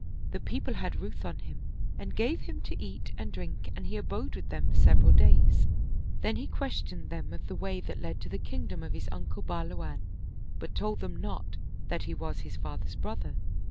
The people had ruth on him and gave him to eat and drink and he abode with them several days ; then he questioned them of the way that led to the kingdom of his uncle Bahluwan, but told them not that he was his father's brother.